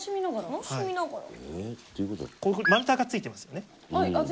丸太がついてますよね。